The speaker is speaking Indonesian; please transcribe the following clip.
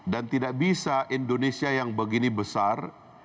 dan tidak bisa indonesia yang begini besar